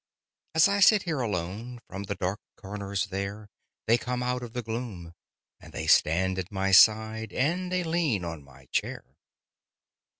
As I sit here alone, from the dark corners there They come out of the gloom, And they stand at my side and they lean on my chair.